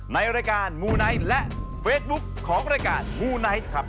ในรายการมูไนท์และเฟซบุ๊คของรายการมูไนท์ครับ